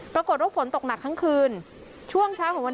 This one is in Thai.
ปรากฏว่าฝนตกหนักทั้งคืนช่วงเช้าของวัน